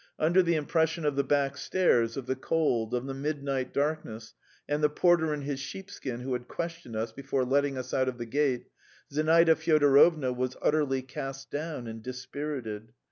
Under the impression of the back stairs, of the cold, of the midnight darkness, and the porter in his sheepskin who had questioned us before letting us out of the gate, Zinaida Fyodorovna was utterly cast down and dispirited.